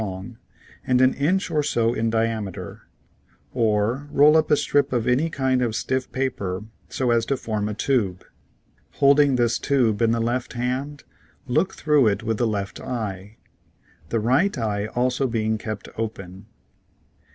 33 long and an inch or so in diameter, or roll up a strip of any kind of stiff paper so as to form a tube. Holding this tube 156 APPARENTLY SEEN THROUGH THE HAND 157 in the left hand, look through it with the left eye, the right eye also being kept open.